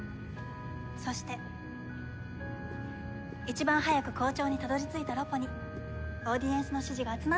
そして一番早く校長にたどり着いたロポにオーディエンスの支持が集まっているようです。